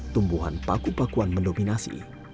tumbuhan paku pakuan mendominasi